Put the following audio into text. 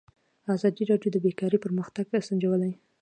ازادي راډیو د بیکاري پرمختګ سنجولی.